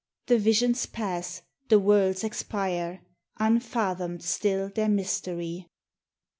The visions pass. The worlds expire, Unfathomed still their mystery.